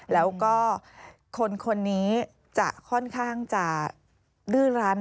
แล้วก็คนนี้จะค่อนข้างจะรื้อรัน